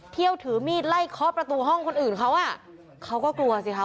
เที่ยวถือมีดไล่เคาะประตูห้องคนอื่นเขาอ่ะเขาก็กลัวสิคะ